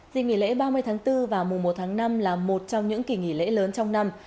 dịp nghỉ lễ ba mươi tháng bốn và mùa một tháng năm là một trong những kỷ nghỉ lễ lớn trong năm